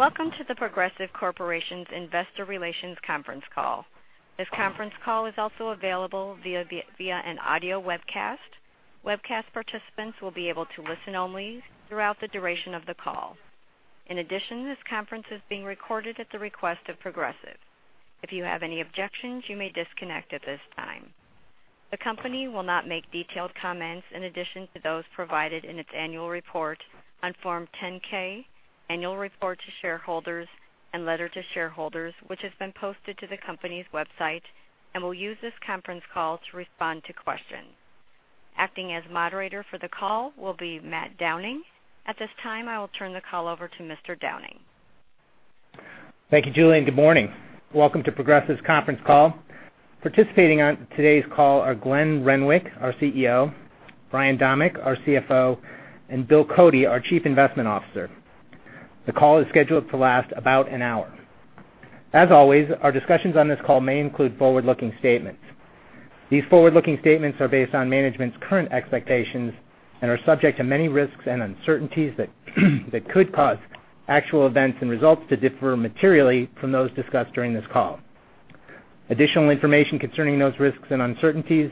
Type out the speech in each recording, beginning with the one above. Welcome to The Progressive Corporation's Investor Relations Conference Call. This conference call is also available via an audio webcast. Webcast participants will be able to listen only throughout the duration of the call. In addition, this conference is being recorded at the request of Progressive. If you have any objections, you may disconnect at this time. The company will not make detailed comments in addition to those provided in its annual report on Form 10-K, annual report to shareholders, and letter to shareholders, which has been posted to the company's website, and will use this conference call to respond to questions. Acting as moderator for the call will be Matt Downing. At this time, I will turn the call over to Mr. Downing. Thank you, Julie. Good morning. Welcome to Progressive's conference call. Participating on today's call are Glenn Renwick, our CEO, Brian Domeck, our CFO, and Bill Cody, our Chief Investment Officer. The call is scheduled to last about an hour. As always, our discussions on this call may include forward-looking statements. These forward-looking statements are based on management's current expectations and are subject to many risks and uncertainties that could cause actual events and results to differ materially from those discussed during this call. Additional information concerning those risks and uncertainties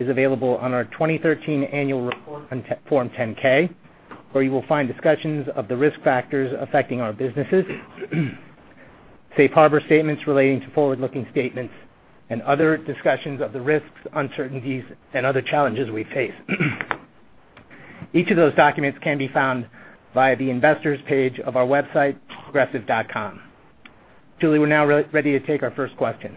is available on our 2013 annual report on Form 10-K, where you will find discussions of the risk factors affecting our businesses, safe harbor statements relating to forward-looking statements, and other discussions of the risks, uncertainties, and other challenges we face. Each of those documents can be found via the investors page of our website, progressive.com. Julie, we're now ready to take our first question.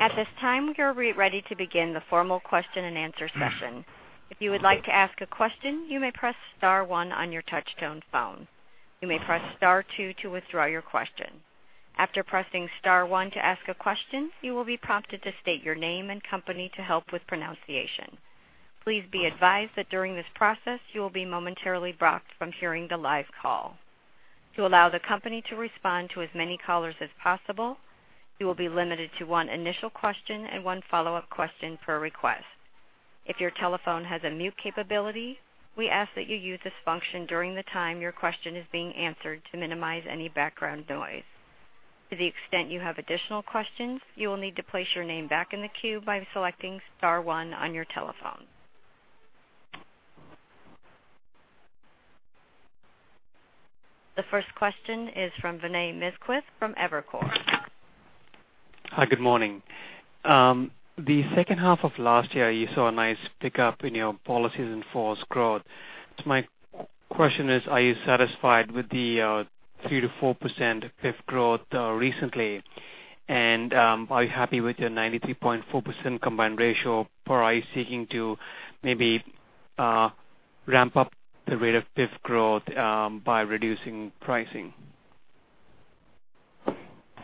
At this time, we are ready to begin the formal question and answer session. If you would like to ask a question, you may press star one on your touch-tone phone. You may press star two to withdraw your question. After pressing star one to ask a question, you will be prompted to state your name and company to help with pronunciation. Please be advised that during this process, you will be momentarily blocked from hearing the live call. To allow the company to respond to as many callers as possible, you will be limited to one initial question and one follow-up question per request. If your telephone has a mute capability, we ask that you use this function during the time your question is being answered to minimize any background noise. To the extent you have additional questions, you will need to place your name back in the queue by selecting star one on your telephone. The first question is from Vinay Misquith from Evercore. Hi, good morning. The second half of last year, you saw a nice pickup in your policies in force growth. My question is, are you satisfied with the 3%-4% PIF growth recently? Are you happy with your 93.4% combined ratio, or are you seeking to maybe ramp up the rate of PIF growth by reducing pricing?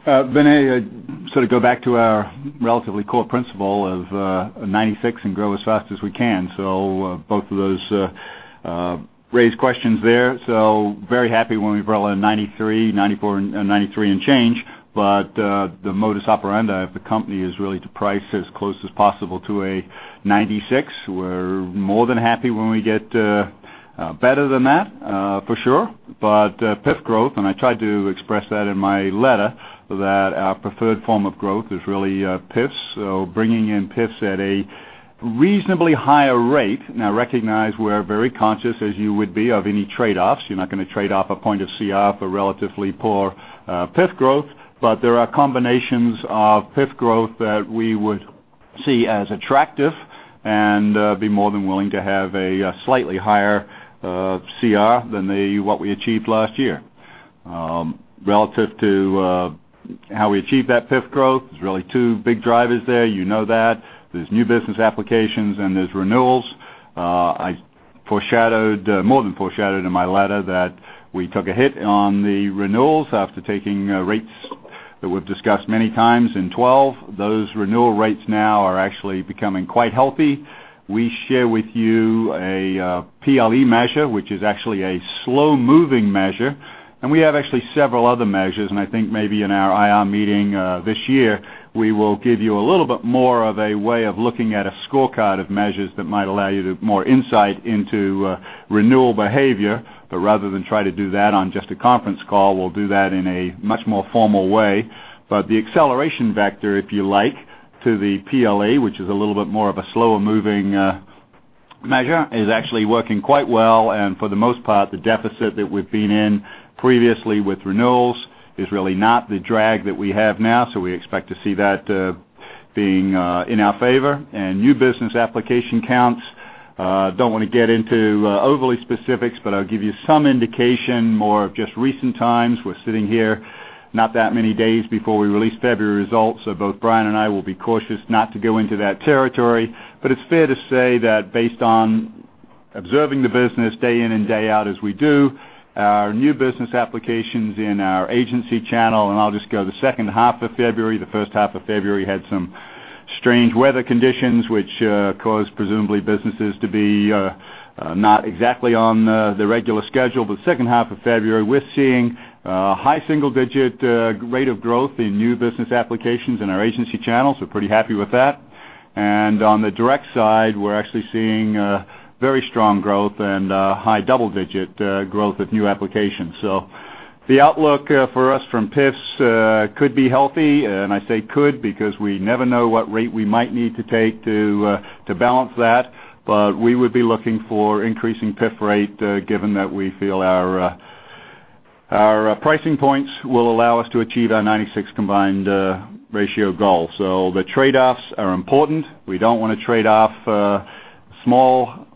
Vinay, to go back to our relatively core principle of 96 and grow as fast as we can. Both of those raise questions there. Very happy when we grow at 93 and change. The modus operandi of the company is really to price as close as possible to a 96. We're more than happy when we get better than that, for sure. PIF growth, and I tried to express that in my letter, that our preferred form of growth is really PIFs. Bringing in PIFs at a reasonably higher rate. Now recognize we're very conscious, as you would be, of any trade-offs. You're not going to trade off a point of CR for relatively poor PIF growth. There are combinations of PIF growth that we would see as attractive and be more than willing to have a slightly higher CR than what we achieved last year. Relative to how we achieve that PIF growth, there's really two big drivers there. You know that. There's new business applications and there's renewals. I more than foreshadowed in my letter that we took a hit on the renewals after taking rates that we've discussed many times in 2012. Those renewal rates now are actually becoming quite healthy. We share with you a PLE measure, which is actually a slow-moving measure, and we have actually several other measures, and I think maybe in our IR meeting this year, we will give you a little bit more of a way of looking at a scorecard of measures that might allow you more insight into renewal behavior. Rather than try to do that on just a conference call, we'll do that in a much more formal way. The acceleration vector, if you like, to the PLE, which is a little bit more of a slower moving measure, is actually working quite well, and for the most part, the deficit that we've been in previously with renewals is really not the drag that we have now. We expect to see that being in our favor. New business application counts, don't want to get into overly specifics, but I'll give you some indication more of just recent times. We're sitting here not that many days before we release February results, so both Brian and I will be cautious not to go into that territory. It's fair to say that based on observing the business day in and day out as we do, our new business applications in our agency channel, and I'll just go the second half of February. The first half of February had some strange weather conditions, which caused presumably businesses to be not exactly on the regular schedule. Second half of February, we're seeing high single-digit rate of growth in new business applications in our agency channels. We're pretty happy with that. On the direct side, we're actually seeing very strong growth and high double-digit growth of new applications. The outlook for us from PIFs could be healthy, and I say could because we never know what rate we might need to take to balance that. We would be looking for increasing PIF rate, given that we feel our pricing points will allow us to achieve our 96 combined ratio goal. The trade-offs are important. We don't want to trade off small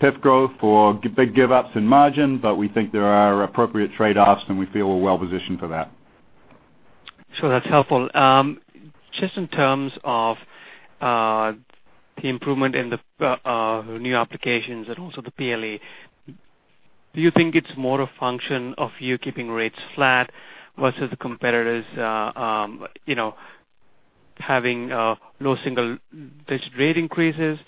PIF growth for big give ups in margin, but we think there are appropriate trade-offs, and we feel we're well positioned for that. That's helpful. Just in terms of the improvement in the new applications and also the PLE, do you think it's more a function of you keeping rates flat versus the competitors having low single-digit rate increases?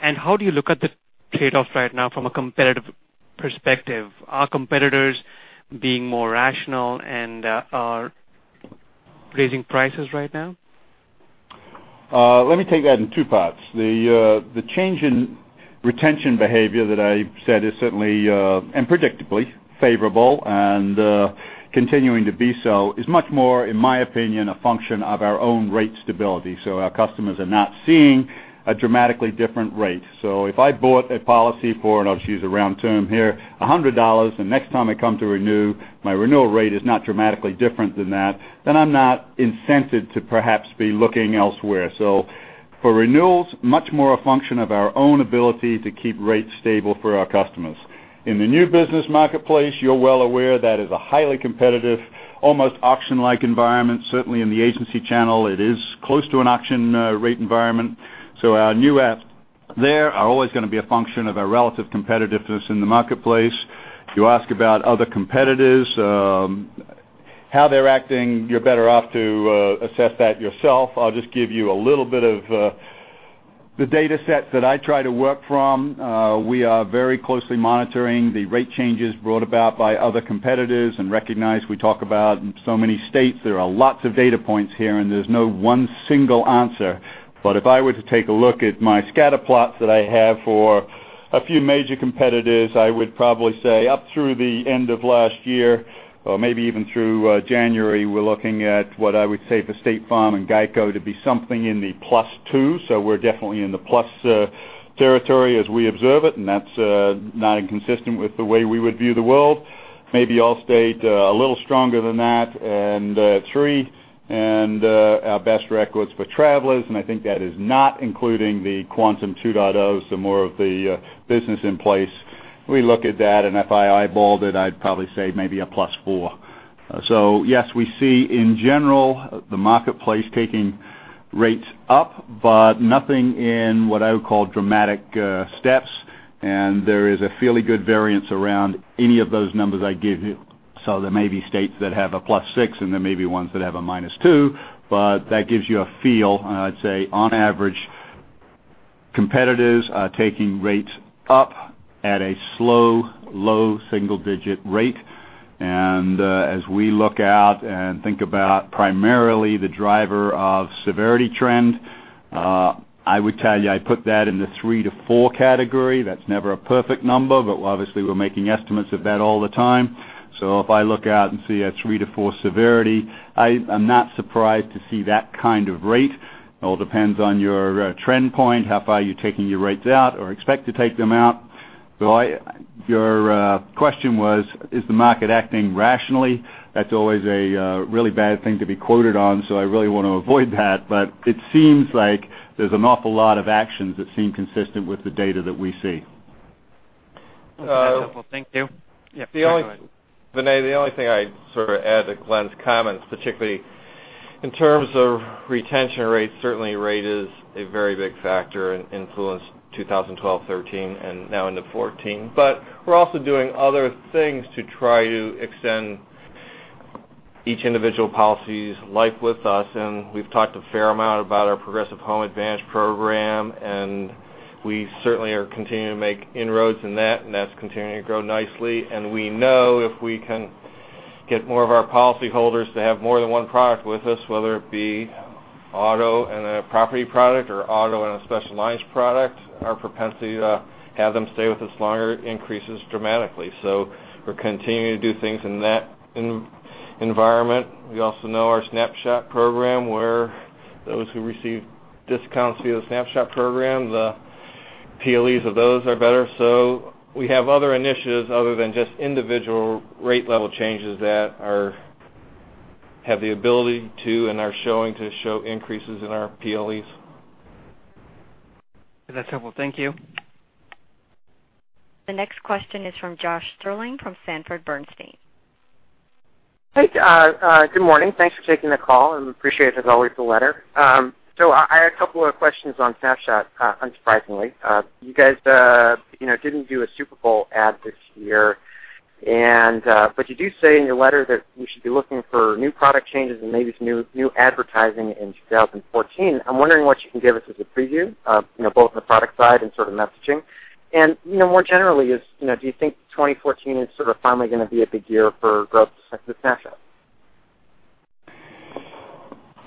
How do you look at the trade-off right now from a competitive perspective? Are competitors being more rational and are raising prices right now? Let me take that in two parts. The change in retention behavior that I said is certainly, and predictably, favorable and continuing to be so is much more, in my opinion, a function of our own rate stability. Our customers are not seeing a dramatically different rate. If I bought a policy for, and I'll just use a round term here, $100, and next time I come to renew, my renewal rate is not dramatically different than that, then I'm not incented to perhaps be looking elsewhere. For renewals, much more a function of our own ability to keep rates stable for our customers. In the new business marketplace, you're well aware that is a highly competitive, almost auction-like environment. Certainly in the agency channel, it is close to an auction rate environment. Our new app there are always going to be a function of our relative competitiveness in the marketplace. You ask about other competitors, how they're acting, you're better off to assess that yourself. I'll just give you a little bit of the data set that I try to work from. We are very closely monitoring the rate changes brought about by other competitors and recognize we talk about in so many states, there are lots of data points here, and there's no one single answer. If I were to take a look at my scatter plots that I have for a few major competitors, I would probably say up through the end of last year or maybe even through January, we're looking at what I would say for State Farm and GEICO to be something in the plus two. We're definitely in the plus territory as we observe it, and that's not inconsistent with the way we would view the world. Maybe Allstate a little stronger than that, and Three, and our best records for Travelers, and I think that is not including the Quantum 2.0, so more of the business in place. We look at that, and if I eyeballed it, I'd probably say maybe a plus four. Yes, we see in general, the marketplace taking rates up, but nothing in what I would call dramatic steps. There is a fairly good variance around any of those numbers I give you. There may be states that have a plus six, and there may be ones that have a minus two, but that gives you a feel. I'd say on average, competitors are taking rates up at a slow, low single digit rate. As we look out and think about primarily the driver of severity trend, I would tell you, I put that in the 3 to 4 category. That's never a perfect number, but obviously, we're making estimates of that all the time. If I look out and see a three to four severity, I'm not surprised to see that kind of rate. It all depends on your trend point, how far you're taking your rates out or expect to take them out. Your question was, is the market acting rationally? That's always a really bad thing to be quoted on, so I really want to avoid that. It seems like there's an awful lot of actions that seem consistent with the data that we see. That's helpful. Thank you. Vinay, the only thing I'd add to Glenn's comments, particularly in terms of retention rates, certainly rate is a very big factor and influenced 2012, 2013, and now into 2014. We're also doing other things to try to extend each individual policy's life with us. We've talked a fair amount about our Progressive Home Advantage program, and we certainly are continuing to make inroads in that. That's continuing to grow nicely. We know if we can get more of our policyholders to have more than one product with us, whether it be auto and a property product or auto and a specialized product, our propensity to have them stay with us longer increases dramatically. We're continuing to do things in that environment. We also know our Snapshot program, where those who receive discounts via the Snapshot program, the PLEs of those are better. We have other initiatives other than just individual rate level changes that have the ability to and are showing to show increases in our PLEs. That's helpful. Thank you. The next question is from Josh Stirling from Sanford Bernstein. Hey. Good morning. Thanks for taking the call and appreciate, as always, the letter. I had a couple of questions on Snapshot, unsurprisingly. You guys didn't do a Super Bowl ad this year, but you do say in your letter that we should be looking for new product changes and maybe some new advertising in 2014. I'm wondering what you can give us as a preview, both on the product side and messaging. More generally, do you think 2014 is finally going to be a big year for growth with Snapshot?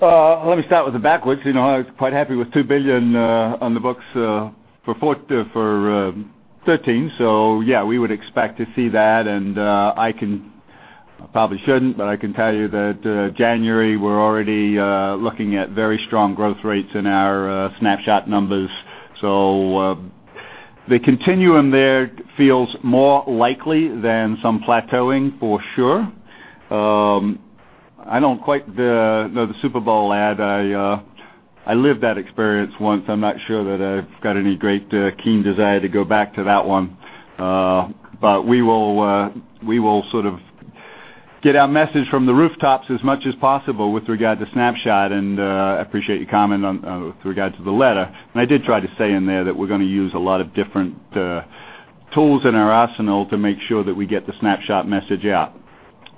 Let me start with the backwards. I was quite happy with $2 billion on the books for 2013. Yeah, we would expect to see that. I probably shouldn't, but I can tell you that January, we're already looking at very strong growth rates in our Snapshot numbers. The continuum there feels more likely than some plateauing, for sure. I don't quite know the Super Bowl ad. I lived that experience once. I'm not sure that I've got any great keen desire to go back to that one. We will sort of get our message from the rooftops as much as possible with regard to Snapshot. I appreciate your comment on with regards to the letter. I did try to say in there that we're going to use a lot of different tools in our arsenal to make sure that we get the Snapshot message out.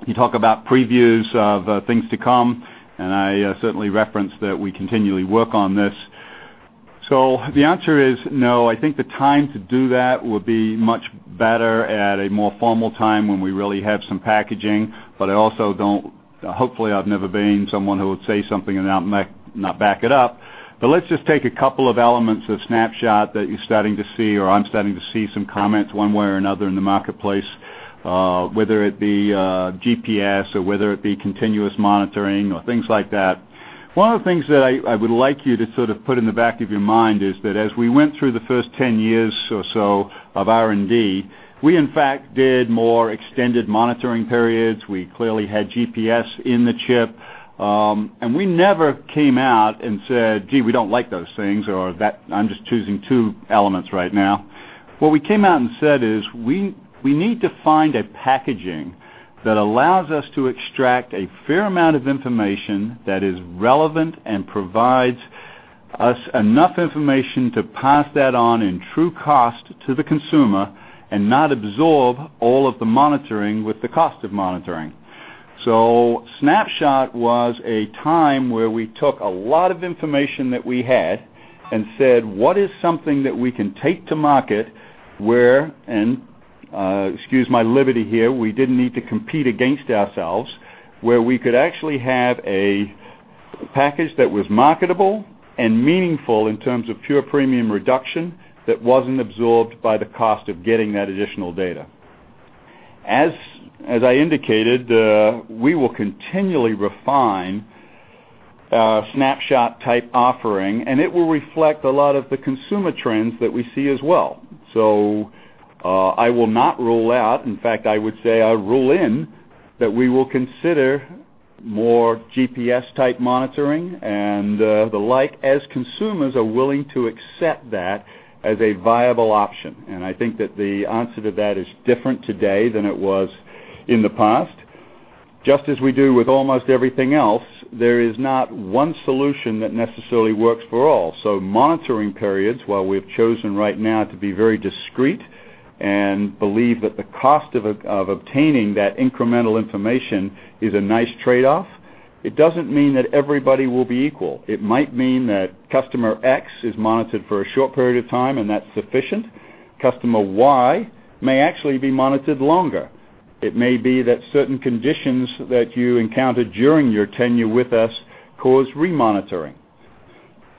You talk about previews of things to come, I certainly reference that we continually work on this. The answer is no. I think the time to do that would be much better at a more formal time when we really have some packaging. Hopefully I've never been someone who would say something and not back it up. Let's just take a couple of elements of Snapshot that you're starting to see, or I'm starting to see some comments one way or another in the marketplace, whether it be GPS or whether it be continuous monitoring or things like that. One of the things that I would like you to sort of put in the back of your mind is that as we went through the first 10 years or so of R&D, we in fact did more extended monitoring periods. We clearly had GPS in the chip. We never came out and said, "Gee, we don't like those things" or that I'm just choosing two elements right now. We came out and said is, we need to find a packaging that allows us to extract a fair amount of information that is relevant and provides us enough information to pass that on in true cost to the consumer, and not absorb all of the monitoring with the cost of monitoring. Snapshot was a time where we took a lot of information that we had and said, what is something that we can take to market where, and excuse my liberty here, we didn't need to compete against ourselves, where we could actually have a package that was marketable and meaningful in terms of pure premium reduction that wasn't absorbed by the cost of getting that additional data. As I indicated, we will continually refine Snapshot type offering, and it will reflect a lot of the consumer trends that we see as well. I will not rule out, in fact, I would say I rule in that we will consider more GPS type monitoring and the like as consumers are willing to accept that as a viable option. I think that the answer to that is different today than it was in the past. Just as we do with almost everything else, there is not one solution that necessarily works for all. Monitoring periods, while we've chosen right now to be very discreet and believe that the cost of obtaining that incremental information is a nice trade-off, it doesn't mean that everybody will be equal. It might mean that customer X is monitored for a short period of time, and that's sufficient. Customer Y may actually be monitored longer. It may be that certain conditions that you encountered during your tenure with us cause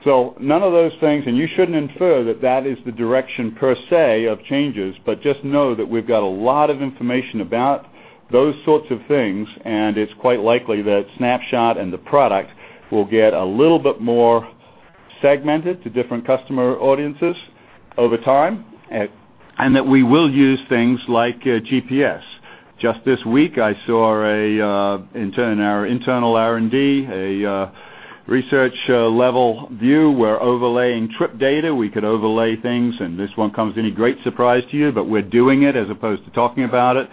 re-monitoring. None of those things, and you shouldn't infer that that is the direction per se of changes, but just know that we've got a lot of information about those sorts of things, and it's quite likely that Snapshot and the product will get a little bit more segmented to different customer audiences over time, and that we will use things like GPS. Just this week, I saw in our internal R&D, a research level view where overlaying trip data, we could overlay things, and this one comes as any great surprise to you, but we're doing it as opposed to talking about it.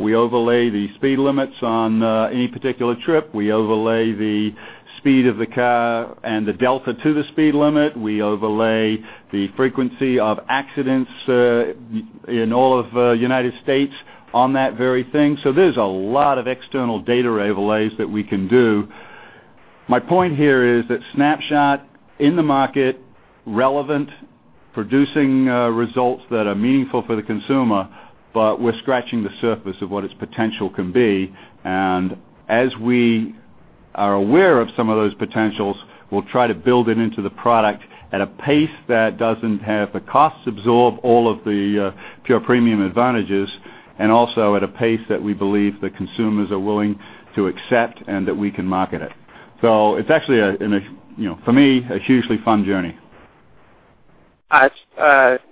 We overlay the speed limits on any particular trip. We overlay the speed of the car and the delta to the speed limit. We overlay the frequency of accidents in all of United States on that very thing. There's a lot of external data overlays that we can do. My point here is that Snapshot in the market, relevant, producing results that are meaningful for the consumer, but we're scratching the surface of what its potential can be. As we are aware of some of those potentials, we'll try to build it into the product at a pace that doesn't have the costs absorb all of the pure premium advantages, and also at a pace that we believe the consumers are willing to accept and that we can market it. It's actually, for me, a hugely fun journey.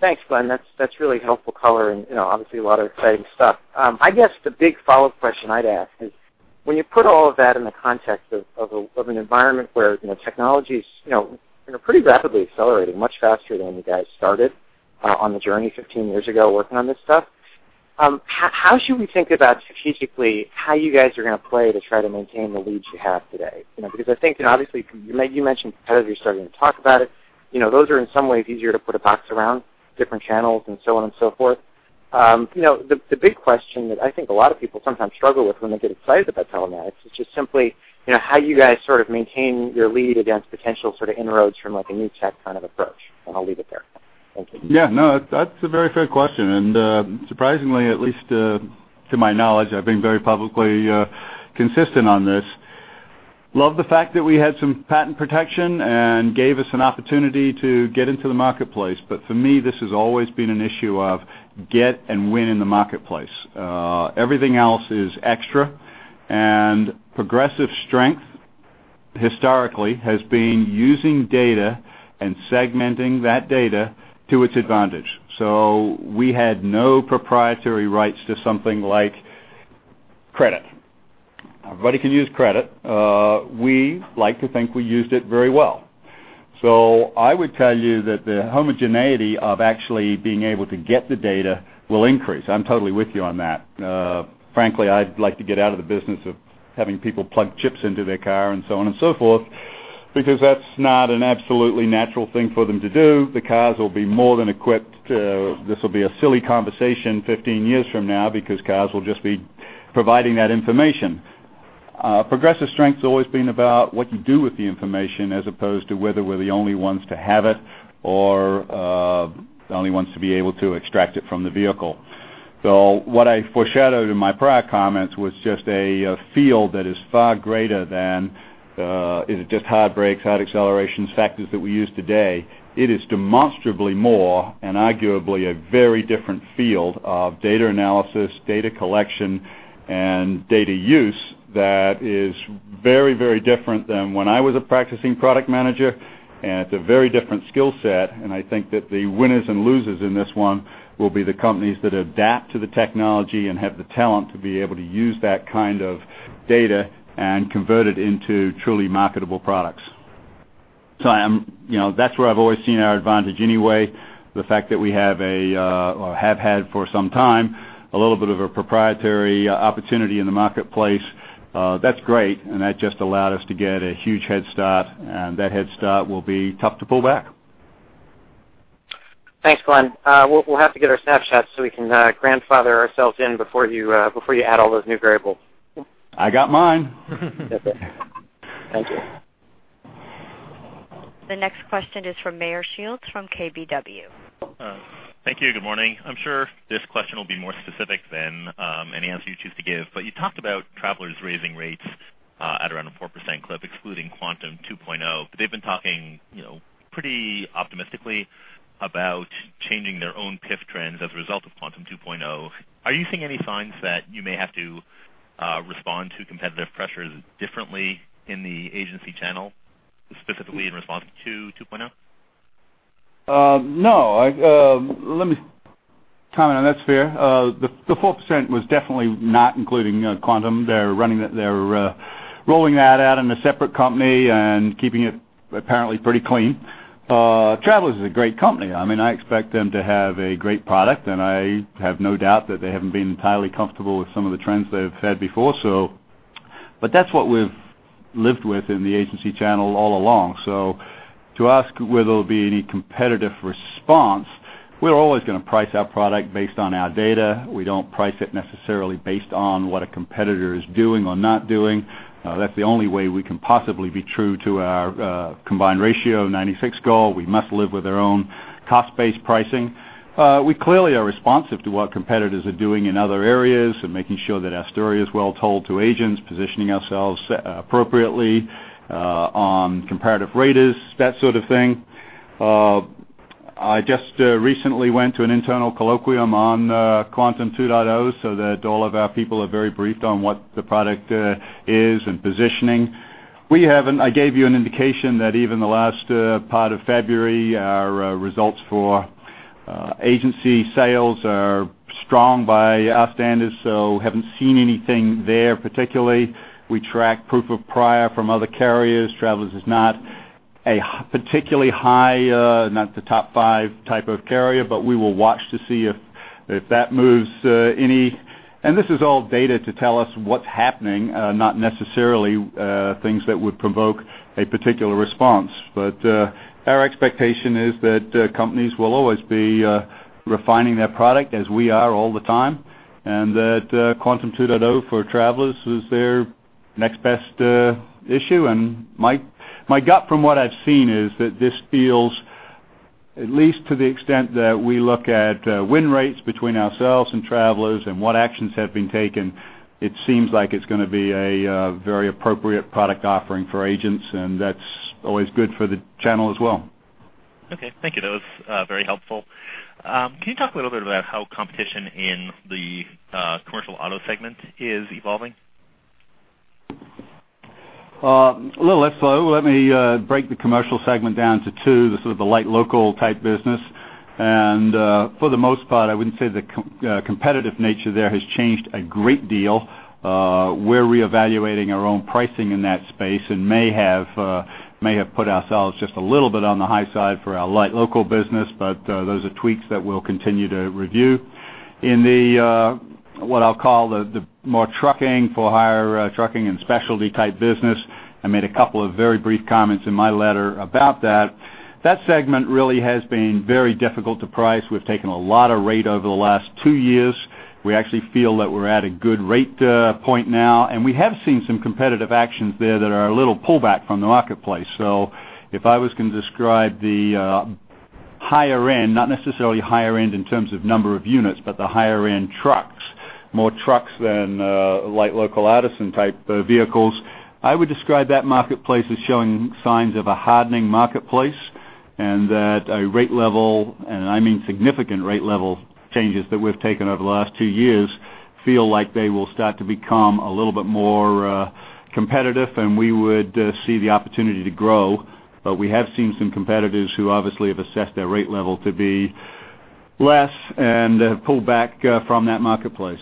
Thanks, Glenn. That's really helpful color and obviously a lot of exciting stuff. I guess the big follow-up question I'd ask is, when you put all of that in the context of an environment where technology's pretty rapidly accelerating, much faster than you guys started on the journey 15 years ago working on this stuff, how should we think about strategically how you guys are going to play to try to maintain the leads you have today? I think obviously you mentioned competitors are starting to talk about it. Those are in some ways easier to put a box around different channels and so on and so forth. The big question that I think a lot of people sometimes struggle with when they get excited about telematics is just simply how you guys sort of maintain your lead against potential inroads from a new tech kind of approach. I'll leave it there. Yeah, no, that's a very fair question. Surprisingly, at least to my knowledge, I've been very publicly consistent on this. Love the fact that we had some patent protection and gave us an opportunity to get into the marketplace. For me, this has always been an issue of get and win in the marketplace. Everything else is extra. Progressive strength, historically, has been using data and segmenting that data to its advantage. We had no proprietary rights to something like credit. Everybody can use credit. We like to think we used it very well. I would tell you that the homogeneity of actually being able to get the data will increase. I'm totally with you on that. Frankly, I'd like to get out of the business of having people plug chips into their car and so on and so forth, because that's not an absolutely natural thing for them to do. The cars will be more than equipped. This will be a silly conversation 15 years from now because cars will just be providing that information. Progressive strength's always been about what you do with the information as opposed to whether we're the only ones to have it or the only ones to be able to extract it from the vehicle. What I foreshadowed in my prior comments was just a field that is far greater than, is it just hard brakes, hard acceleration factors that we use today? It is demonstrably more and arguably a very different field of data analysis, data collection, and data use that is very, very different than when I was a practicing product manager. It's a very different skill set. I think that the winners and losers in this one will be the companies that adapt to the technology and have the talent to be able to use that kind of data and convert it into truly marketable products. That's where I've always seen our advantage anyway. The fact that we have had for some time a little bit of a proprietary opportunity in the marketplace, that's great, that just allowed us to get a huge head start, and that head start will be tough to pull back. Thanks, Glenn. We'll have to get our Snapshots so we can grandfather ourselves in before you add all those new variables. I got mine. Thank you. The next question is from Meyer Shields from KBW. Thank you. Good morning. I'm sure this question will be more specific than any answer you choose to give. You talked about Travelers raising rates at around a 4% clip, excluding Quantum 2.0. They've been talking pretty optimistically about changing their own PIF trends as a result of Quantum 2.0. Are you seeing any signs that you may have to respond to competitive pressures differently in the agency channel, specifically in response to 2.0? No. Let me comment on that sphere. The 4% was definitely not including Quantum. They're rolling that out in a separate company and keeping it apparently pretty clean. Travelers is a great company. I expect them to have a great product, and I have no doubt that they haven't been entirely comfortable with some of the trends they've had before. That's what we've lived within the agency channel all along. To ask whether there'll be any competitive response, we're always going to price our product based on our data. We don't price it necessarily based on what a competitor is doing or not doing. That's the only way we can possibly be true to our combined ratio of 96 goal. We must live with our own cost-based pricing. We clearly are responsive to what competitors are doing in other areas and making sure that our story is well told to agents, positioning ourselves appropriately on comparative rates, that sort of thing. I just recently went to an internal colloquium on Quantum 2.0 so that all of our people are very briefed on what the product is and positioning. I gave you an indication that even the last part of February, our results for agency sales are strong by our standards. Haven't seen anything there particularly. We track proof of prior from other carriers. Travelers is not a particularly high, not the top 5 type of carrier. We will watch to see if that moves any. This is all data to tell us what's happening, not necessarily things that would provoke a particular response. Our expectation is that companies will always be refining their product as we are all the time, and that Quantum 2.0 for Travelers is their next best issue. My gut from what I've seen is that this feels, at least to the extent that we look at win rates between ourselves and Travelers and what actions have been taken, it seems like it's going to be a very appropriate product offering for agents, and that's always good for the channel as well. Okay. Thank you. That was very helpful. Can you talk a little bit about how competition in the commercial auto segment is evolving? A little less so. Let me break the commercial segment down to two. This is the light local type business. For the most part, I wouldn't say the competitive nature there has changed a great deal. We're reevaluating our own pricing in that space and may have put ourselves just a little bit on the high side for our light local business. Those are tweaks that we'll continue to review. In the, what I'll call the more trucking for hire, trucking and specialty type business, I made a couple of very brief comments in my letter about that. That segment really has been very difficult to price. We've taken a lot of rate over the last two years. We actually feel that we're at a good rate point now, and we have seen some competitive actions there that are a little pullback from the marketplace. If I was going to describe the higher end, not necessarily higher end in terms of number of units, but the higher end trucks, more trucks than light local artisan type vehicles, I would describe that marketplace as showing signs of a hardening marketplace, and that a rate level, I mean significant rate level changes that we've taken over the last 2 years, feel like they will start to become a little bit more competitive, and we would see the opportunity to grow. We have seen some competitors who obviously have assessed their rate level to be less and have pulled back from that marketplace.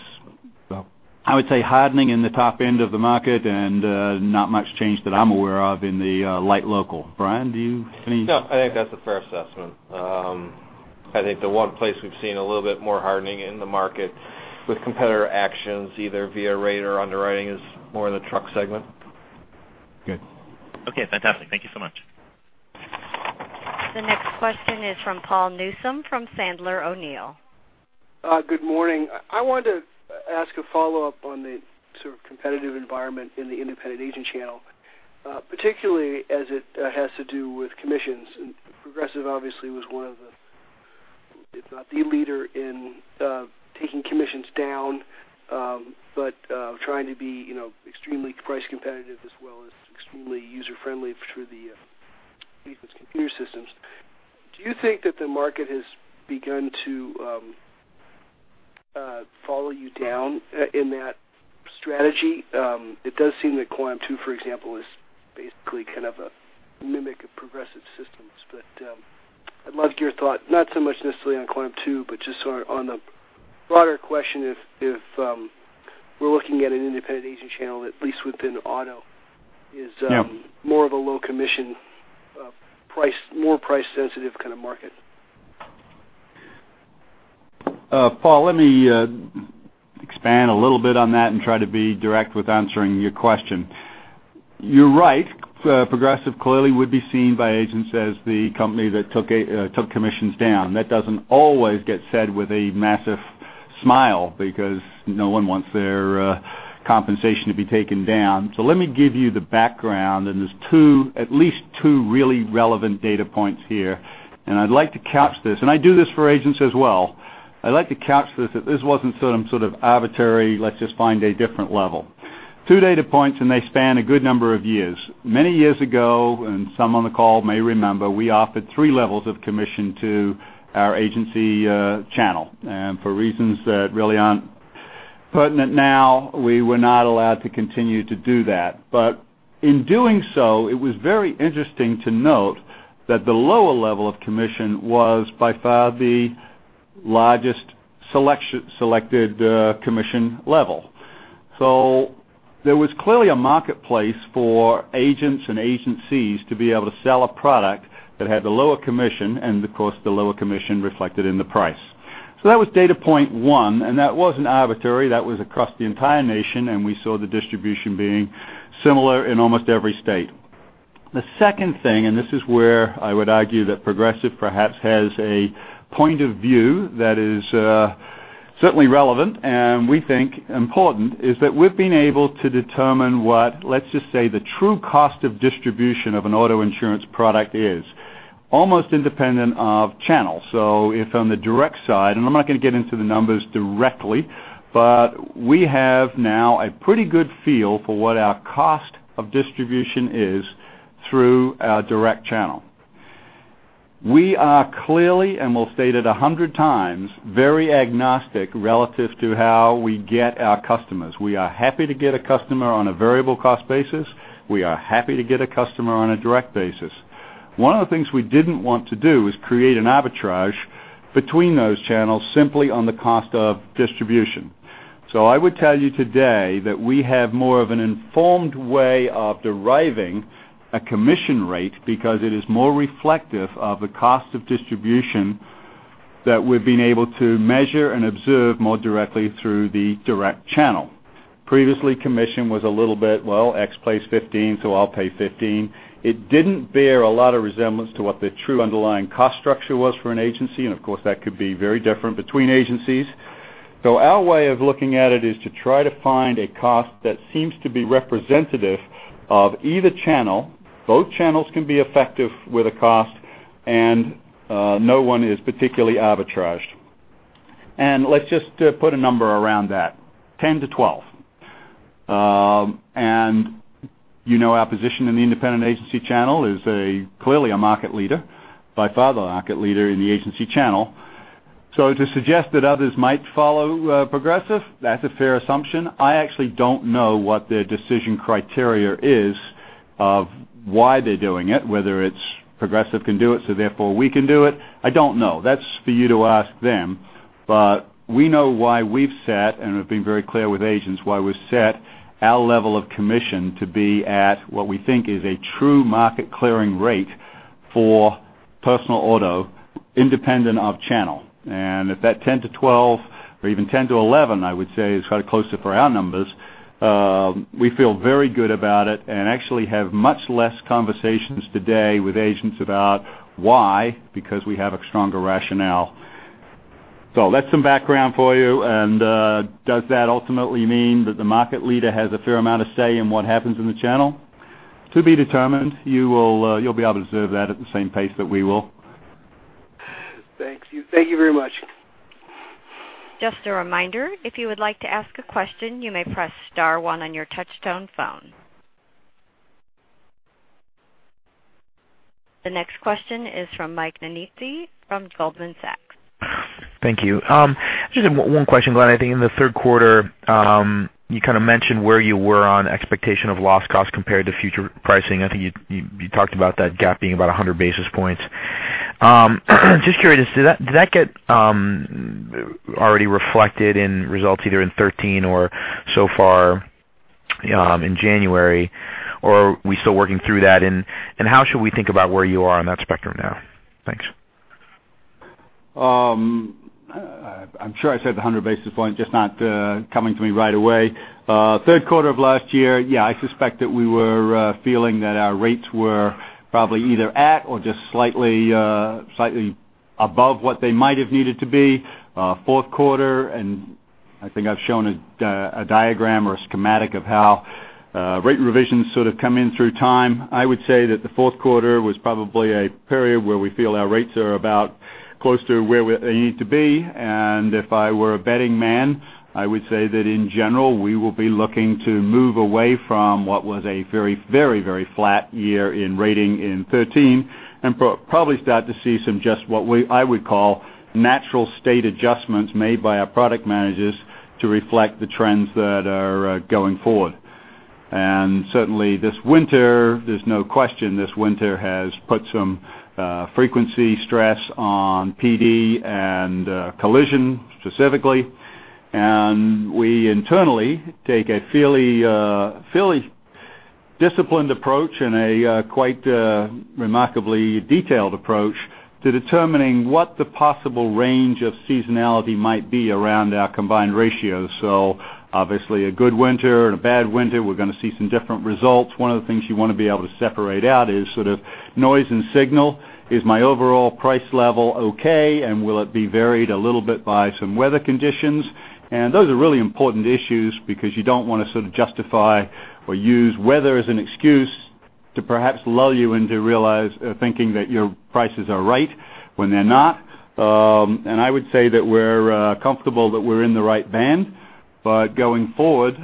I would say hardening in the top end of the market and not much change that I'm aware of in the light local. Brian, do you have any- I think that's a fair assessment. I think the one place we've seen a little bit more hardening in the market with competitor actions, either via rate or underwriting, is more in the truck segment. Good. Fantastic. Thank you so much. The next question is from Paul Newsome from Sandler O'Neill. Good morning. I wanted to ask a follow-up on the sort of competitive environment in the independent agent channel, particularly as it has to do with commissions. Progressive obviously was one of the, if not the leader in taking commissions down, but trying to be extremely price competitive as well as extremely user-friendly through the agents' computer systems. Do you think that the market has begun to follow you down in that strategy? It does seem that Quant2, for example, is basically kind of a mimic of Progressive systems. I'd love your thought, not so much necessarily on Quant2, but just on the broader question, if we're looking at an independent agent channel, at least within auto- Yeah is more of a low commission, more price sensitive kind of market. Paul, let me expand a little bit on that and try to be direct with answering your question. You're right. Progressive clearly would be seen by agents as the company that took commissions down. That doesn't always get said with a massive smile because no one wants their compensation to be taken down. Let me give you the background, and there's at least two really relevant data points here, and I'd like to couch this, and I do this for agents as well. I'd like to couch this, that this wasn't some sort of arbitrary, let's just find a different level. Two data points, and they span a good number of years. Many years ago, and some on the call may remember, we offered three levels of commission to our agency channel. For reasons that really aren't pertinent now, we were not allowed to continue to do that. In doing so, it was very interesting to note that the lower level of commission was by far the largest selected commission level. There was clearly a marketplace for agents and agencies to be able to sell a product that had the lower commission, and of course, the lower commission reflected in the price. That was data point one, and that wasn't arbitrary. That was across the entire nation, and we saw the distribution being similar in almost every state. The second thing, and this is where I would argue that Progressive perhaps has a point of view that is certainly relevant, and we think important, is that we've been able to determine what, let's just say, the true cost of distribution of an auto insurance product is, almost independent of channel. If on the direct side, I'm not going to get into the numbers directly. We have now a pretty good feel for what our cost of distribution is through our direct channel. We are clearly, we'll state it 100 times, very agnostic relative to how we get our customers. We are happy to get a customer on a variable cost basis. We are happy to get a customer on a direct basis. One of the things we didn't want to do is create an arbitrage between those channels simply on the cost of distribution. I would tell you today that we have more of an informed way of deriving a commission rate because it is more reflective of the cost of distribution that we've been able to measure and observe more directly through the direct channel. Previously, commission was a little bit, well, X plays 15. I'll pay 15. It didn't bear a lot of resemblance to what the true underlying cost structure was for an agency, and of course, that could be very different between agencies. Our way of looking at it is to try to find a cost that seems to be representative of either channel. Both channels can be effective with a cost, and no one is particularly arbitraged. Let's just put a number around that, 10 to 12. You know our position in the independent agency channel is clearly a market leader, by far the market leader in the agency channel. To suggest that others might follow Progressive, that's a fair assumption. I actually don't know what their decision criteria is of why they're doing it, whether it's Progressive can do it. Therefore we can do it. I don't know. That's for you to ask them. We know why we've set. We've been very clear with agents why we've set our level of commission to be at what we think is a true market clearing rate for personal auto, independent of channel. At that 10 to 12, or even 10 to 11, I would say, is kind of closer for our numbers. We feel very good about it and actually have much less conversations today with agents about why, because we have a stronger rationale. That's some background for you. Does that ultimately mean that the market leader has a fair amount of say in what happens in the channel? To be determined. You'll be able to observe that at the same pace that we will. Thank you. Thank you very much. Just a reminder, if you would like to ask a question, you may press *1 on your touchtone phone. The next question is from Michael Nannizzi from Goldman Sachs. Thank you. Just one question, Glenn. I think in the third quarter, you kind of mentioned where you were on expectation of loss cost compared to future pricing. I think you talked about that gap being about 100 basis points. Just curious, did that get already reflected in results either in 2013 or so far in January, or are we still working through that? How should we think about where you are on that spectrum now? Thanks. I'm sure I said the 100 basis points, just not coming to me right away. Third quarter of last year, yeah, I suspect that we were feeling that our rates were probably either at or just slightly above what they might have needed to be. Fourth quarter, I think I've shown a diagram or a schematic of how rate revisions sort of come in through time. I would say that the fourth quarter was probably a period where we feel our rates are about close to where they need to be. If I were a betting man, I would say that in general, we will be looking to move away from what was a very flat year in rating in 2013 and probably start to see some, just what I would call, natural state adjustments made by our product managers to reflect the trends that are going forward. Certainly, this winter, there's no question this winter has put some frequency stress on PD and collision specifically. We internally take a fairly disciplined approach and a quite remarkably detailed approach to determining what the possible range of seasonality might be around our combined ratios. Obviously a good winter and a bad winter, we're going to see some different results. One of the things you want to be able to separate out is sort of noise and signal. Is my overall price level okay, and will it be varied a little bit by some weather conditions? Those are really important issues because you don't want to sort of justify or use weather as an excuse to perhaps lull you into thinking that your prices are right when they're not. I would say that we're comfortable that we're in the right band. Going forward,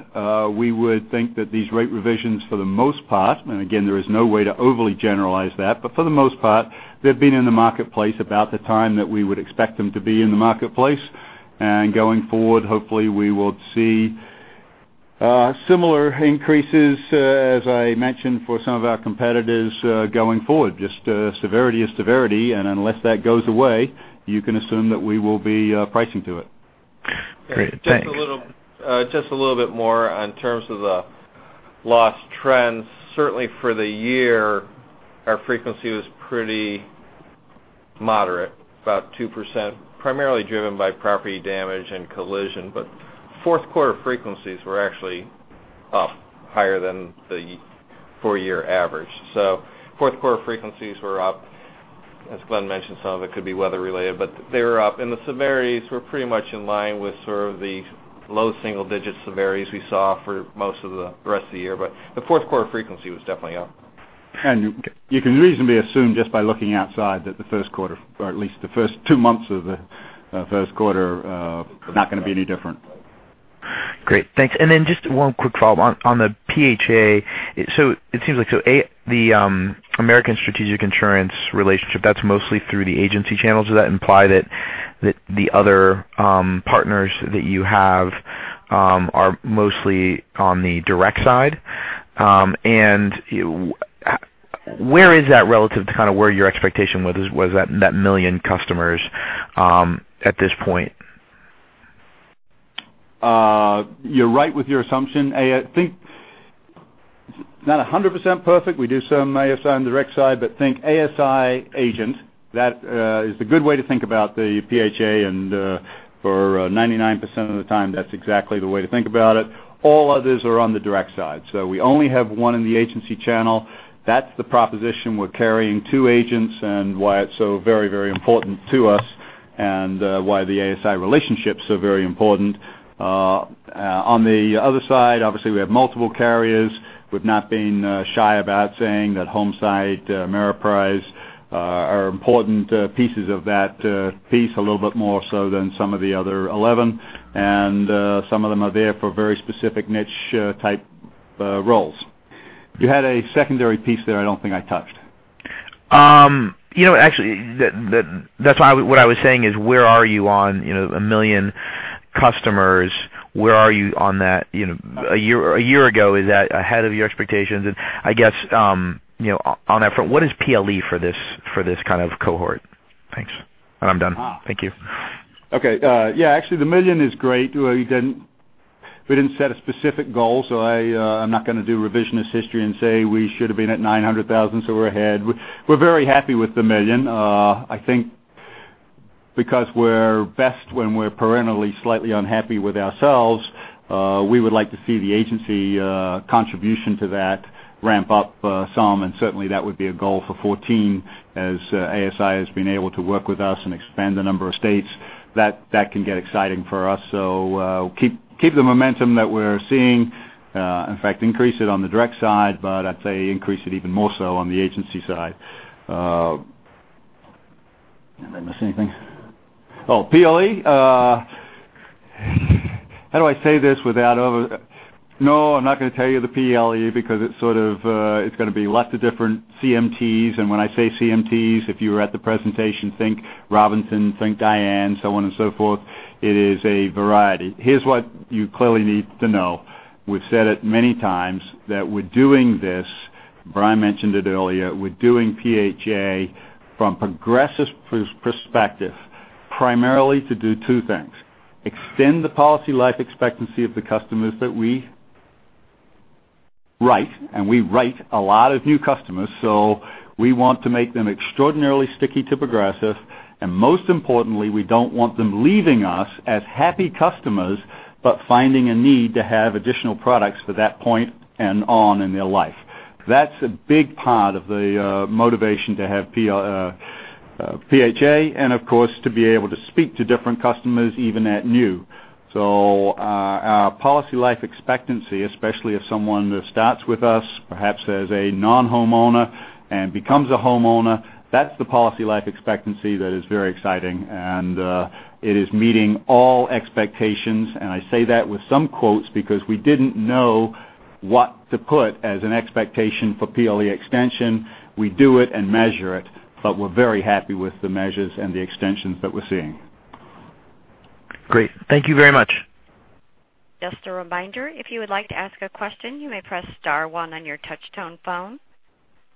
we would think that these rate revisions, for the most part, and again, there is no way to overly generalize that, but for the most part, they've been in the marketplace about the time that we would expect them to be in the marketplace. Going forward, hopefully we will see similar increases, as I mentioned, for some of our competitors going forward. Just severity is severity, and unless that goes away, you can assume that we will be pricing to it. Great. Thanks. Just a little bit more in terms of the loss trends. Certainly for the year, our frequency was pretty moderate, about 2%, primarily driven by property damage and collision. Fourth quarter frequencies were actually up higher than the four-year average. Fourth quarter frequencies were up. As Glenn mentioned, some of it could be weather related, but they were up, and the severities were pretty much in line with sort of the low single digit severities we saw for most of the rest of the year. The fourth quarter frequency was definitely up. You can reasonably assume just by looking outside that the first quarter, or at least the first two months of the first quarter, not going to be any different. Great, thanks. Just one quick follow-up on the PHA. It seems like the American Strategic Insurance relationship, that's mostly through the agency channels. Does that imply that the other partners that you have are mostly on the direct side? Where is that relative to kind of where your expectation was, that million customers at this point? You're right with your assumption. I think it's not 100% perfect. We do some ASI on the direct side, but think ASI agent. That is the good way to think about the PHA and for 99% of the time, that's exactly the way to think about it. All others are on the direct side. We only have one in the agency channel. That's the proposition we're carrying two agents and why it's so very important to us and why the ASI relationship's so very important. On the other side, obviously, we have multiple carriers. We've not been shy about saying that Homesite, Ameriprise are important pieces of that piece, a little bit more so than some of the other 11. Some of them are there for very specific niche type roles. You had a secondary piece there I don't think I touched. Actually, that's what I was saying is, where are you on 1 million customers? Where are you on that? A year ago, is that ahead of your expectations? I guess, on that front, what is PLE for this kind of cohort? Thanks. I'm done. Thank you. Okay. Yeah, actually, the 1 million is great. We didn't set a specific goal, so I'm not going to do revisionist history and say we should have been at 900,000, so we're ahead. We're very happy with the 1 million. I think because we're best when we're perennially slightly unhappy with ourselves. We would like to see the agency contribution to that ramp up some, and certainly that would be a goal for 2014 as ASI has been able to work with us and expand the number of states. That can get exciting for us. Keep the momentum that we're seeing, in fact, increase it on the direct side, but I'd say increase it even more so on the agency side. Did I miss anything? Oh, PLE. How do I say this? I'm not going to tell you the PLE because it's going to be lots of different CMTs. When I say CMTs, if you were at the presentation, think Robinson, think Diane, so on and so forth. It is a variety. Here's what you clearly need to know. We've said it many times that we're doing this, Brian mentioned it earlier, we're doing PHA from Progressive's perspective, primarily to do two things, extend the policy life expectancy of the customers that we write, and we write a lot of new customers, so we want to make them extraordinarily sticky to Progressive, and most importantly, we don't want them leaving us as happy customers, but finding a need to have additional products for that point and on in their life. That's a big part of the motivation to have PHA, and of course, to be able to speak to different customers, even at new. Our policy life expectancy, especially if someone starts with us, perhaps as a non-homeowner and becomes a homeowner, that's the policy life expectancy that is very exciting, and it is meeting all expectations, and I say that with some quotes because we didn't know what to put as an expectation for PLE extension. We do it and measure it, but we're very happy with the measures and the extensions that we're seeing. Great. Thank you very much. Just a reminder, if you would like to ask a question, you may press star one on your touch-tone phone.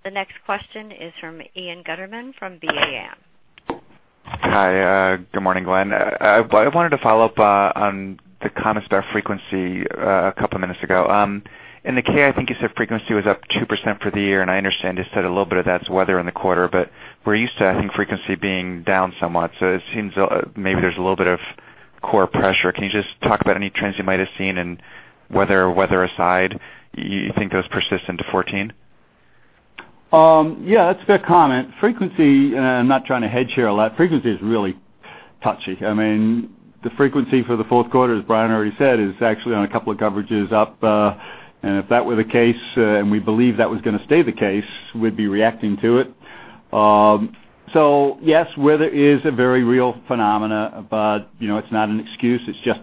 The next question is from Ian Gutterman from BAM. Hi. Good morning, Glenn. I wanted to follow up on the [claim] frequency a couple of minutes ago. In the K, I think you said frequency was up 2% for the year, and I understand you said a little bit of that's weather in the quarter, but we're used to, I think, frequency being down somewhat. It seems maybe there's a little bit of core pressure. Can you just talk about any trends you might have seen and whether weather aside, you think those persist into 2014? Yes, that's a fair comment. I'm not trying to hedge here a lot. Frequency is really touchy. The frequency for the fourth quarter, as Brian already said, is actually on a couple of coverages up. If that were the case, and we believe that was going to stay the case, we'd be reacting to it. Yes, weather is a very real phenomena, but it's not an excuse. It's just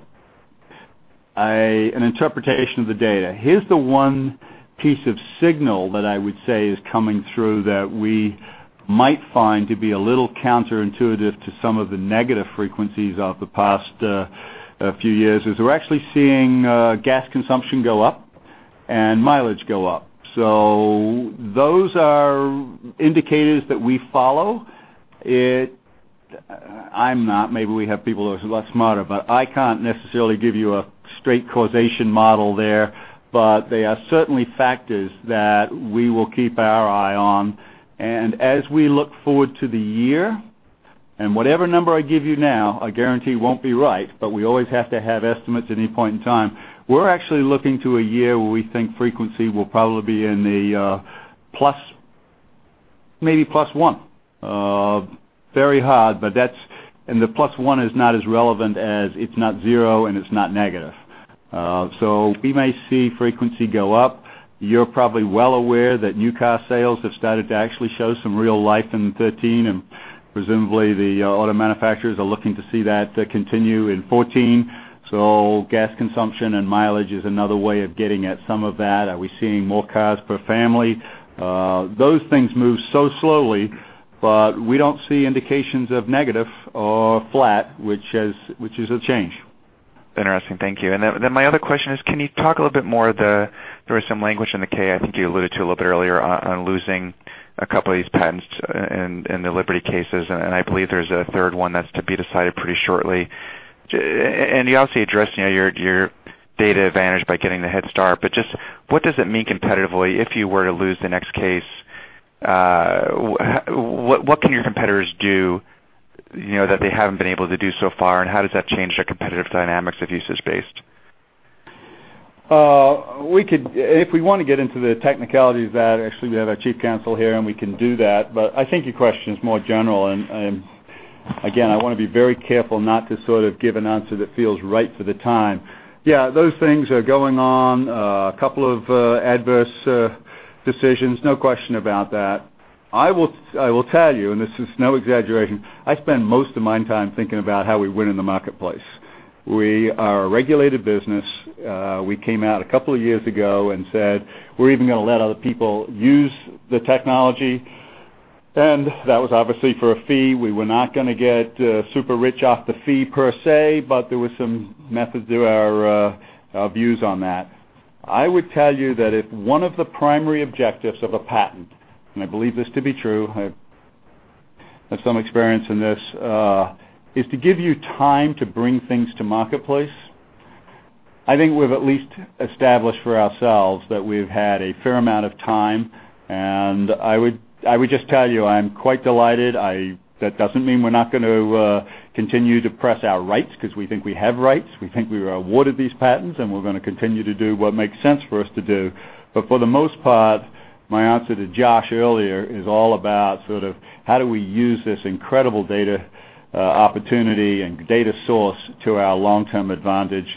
an interpretation of the data. Here's the one piece of signal that I would say is coming through that we might find to be a little counterintuitive to some of the negative frequencies of the past few years, is we're actually seeing gas consumption go up and mileage go up. Those are indicators that we follow. I'm not, maybe we have people who are a lot smarter, but I can't necessarily give you a straight causation model there, but they are certainly factors that we will keep our eye on. As we look forward to the year, and whatever number I give you now, I guarantee won't be right, but we always have to have estimates at any point in time. We're actually looking to a year where we think frequency will probably be maybe +1. Very hard, and the +1 is not as relevant as it's not zero and it's not negative. We may see frequency go up. You're probably well aware that new car sales have started to actually show some real life in 2013, and presumably, the auto manufacturers are looking to see that continue in 2014. Gas consumption and mileage is another way of getting at some of that. Are we seeing more cars per family? Those things move so slowly, but we don't see indications of negative or flat, which is a change. Interesting. Thank you. My other question is, can you talk a little bit more, there was some language in the K, I think you alluded to a little bit earlier, on losing a couple of these patents in the Liberty cases, and I believe there's a third one that's to be decided pretty shortly. You obviously addressed your data advantage by getting the head start, but just what does it mean competitively if you were to lose the next case? What can your competitors do that they haven't been able to do so far, and how does that change the competitive dynamics if usage-based? If we want to get into the technicalities of that, actually, we have our chief counsel here, and we can do that. I think your question is more general, and again, I want to be very careful not to sort of give an answer that feels right for the time. Those things are going on. A couple of adverse decisions. No question about that. I will tell you, and this is no exaggeration, I spend most of my time thinking about how we win in the marketplace. We are a regulated business. We came out 2 years ago and said, we're even going to let other people use the technology, and that was obviously for a fee. We were not going to get super rich off the fee per se, but there was some method to our views on that. I would tell you that if one of the primary objectives of a patent, and I believe this to be true, I have some experience in this, is to give you time to bring things to marketplace. I think we've at least established for ourselves that we've had a fair amount of time, and I would just tell you, I'm quite delighted. That doesn't mean we're not going to continue to press our rights because we think we have rights. We think we were awarded these patents, and we're going to continue to do what makes sense for us to do. For the most part My answer to Josh earlier is all about how do we use this incredible data opportunity and data source to our long-term advantage.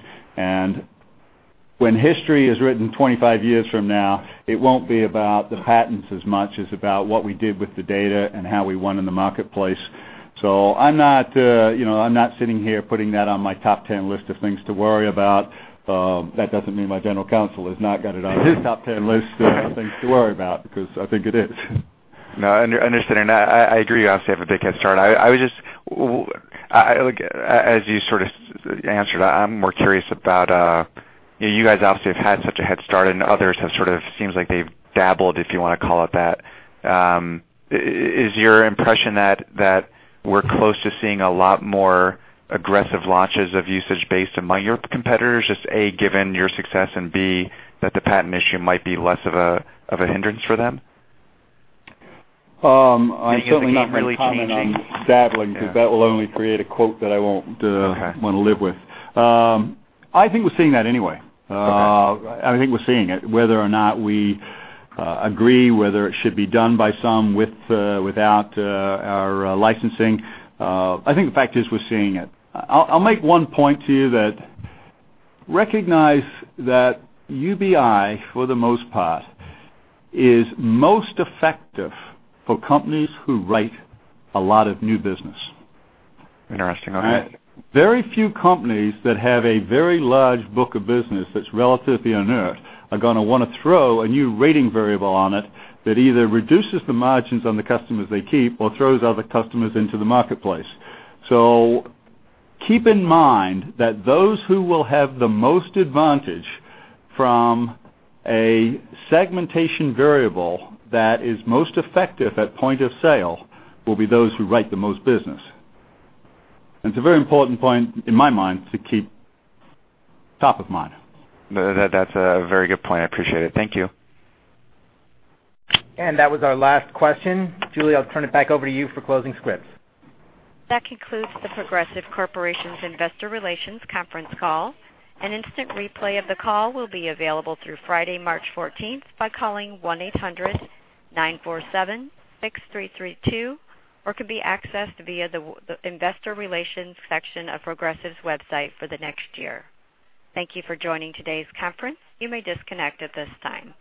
When history is written 25 years from now, it won't be about the patents as much as about what we did with the data and how we won in the marketplace. I'm not sitting here putting that on my top 10 list of things to worry about. That doesn't mean my general counsel has not got it on his top 10 list of things to worry about, because I think it is. Understanding that. I agree you obviously have a big head start. As you answered, I'm more curious about you guys obviously have had such a head start and others have sort of seems like they've dabbled, if you want to call it that. Is your impression that we're close to seeing a lot more aggressive launches of usage-based among your competitors, just A, given your success, and B, that the patent issue might be less of a hindrance for them? I certainly am not going to comment on dabbling because that will only create a quote that I won't want to live with. Okay. I think we're seeing that anyway. Okay. I think we're seeing it. Whether or not we agree whether it should be done by some without our licensing, I think the fact is we're seeing it. I'll make one point to you that recognize that UBI, for the most part, is most effective for companies who write a lot of new business. Interesting. Okay. Very few companies that have a very large book of business that's relatively inert are going to want to throw a new rating variable on it that either reduces the margins on the customers they keep or throws other customers into the marketplace. Keep in mind that those who will have the most advantage from a segmentation variable that is most effective at point of sale will be those who write the most business. It's a very important point in my mind to keep top of mind. That's a very good point. I appreciate it. Thank you. That was our last question. Julie, I'll turn it back over to you for closing scripts. That concludes The Progressive Corporation's Investor Relations Conference Call. An instant replay of the call will be available through Friday, March 14th by calling 1-800-947-6332 or can be accessed via the Investor Relations section of Progressive's website for the next year. Thank you for joining today's conference. You may disconnect at this time.